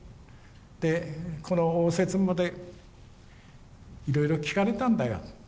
でこの応接間でいろいろ聞かれたんだよ。